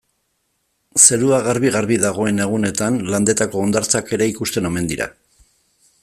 Zerua garbi-garbi dagoen egunetan Landetako hondartzak ere ikusten omen dira.